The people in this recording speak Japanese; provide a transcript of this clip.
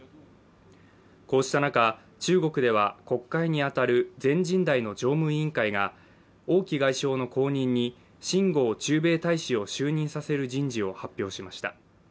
こうした中、中国では国会に当たる全人代の常務委員会が王毅外相の後任に秦剛駐米大使を就任させる人事を発表しました。